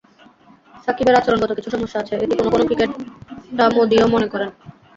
সাকিবের আচরণগত কিছু সমস্যা আছে, এটি কোনো কোনো ক্রিকেটামোদীও মনে করেন।